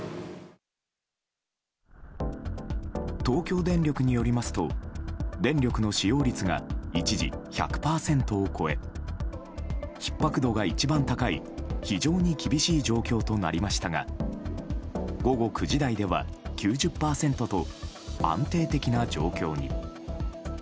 東京電力によりますと電力の使用率が一時１００％を超えひっ迫度が一番高い非常に厳しい状況となりましたが午後９時台では９０％と安定的な状況に。